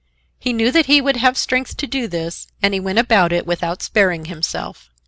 He knew that he would have strength to do this and he went about it without sparing himself.